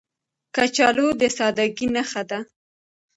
کچالو د سادګۍ نښه ده